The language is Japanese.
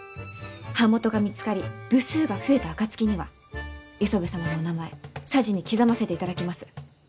版元が見つかり部数が増えた暁には磯部様のお名前謝辞に刻ませていただきます。